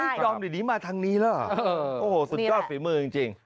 อุ๊ยจอมเด็ดนี้มาทางนี้แล้วโอ้โหสุดยอดฝีมือจริง